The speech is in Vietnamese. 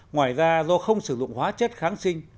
ngoài ra do không sử dụng hóa chất kháng sinh